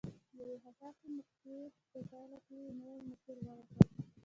د یوې حساسې مقطعې په پایله کې یې نوی مسیر غوره کړ.